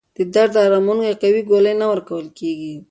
د درد اراموونکې قوي ګولۍ نه ورکول کېږي.